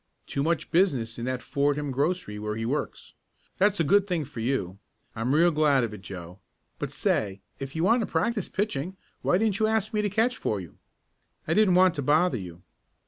Too much business in that Fordham grocery where he works. That's a good thing for you. I'm real glad of it, Joe. But say, if you want to practice pitching, why didn't you ask me to catch for you?" "I didn't want to bother you?"